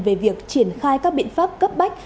về việc triển khai các biện pháp cấp bách